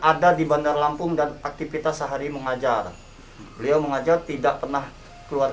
ada di bandar lampung dan aktivitas sehari mengajar beliau mengajar tidak pernah keluar